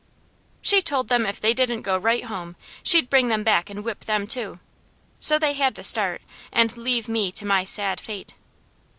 She told them if they didn't go right home she'd bring them back and whip them too; so they had to start, and leave me to my sad fate.